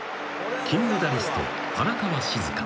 ［金メダリスト荒川静香］